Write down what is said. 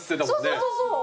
そうそうそうそう。